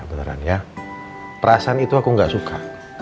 perasaan itu aku nggak suka